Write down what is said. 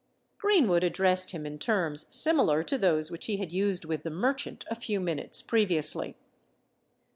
Greenwood addressed him in terms similar to those which he had used with the merchant a few minutes previously.